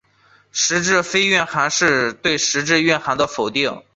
实质非蕴涵是对实质蕴涵的否定。